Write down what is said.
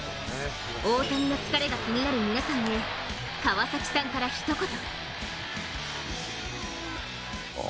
大谷の疲れが気になる皆さんへ川崎さんからひと言。